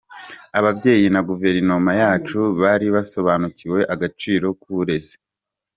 Ababyeyi na guverinoma yacu bari basobanukiwe agaciro k’uburezi.